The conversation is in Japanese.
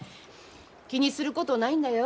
気にすることないんだよ。